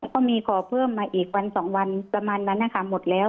ก็มีขอเพิ่มมาอีกวัน๒วันประมาณนั้นนะคะหมดแล้ว